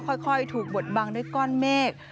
ค่อยถูกบดบังด้วยก้อนเมฆ